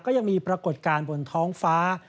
ก็ยังมีปรากฏการณ์บนท้องฟ้า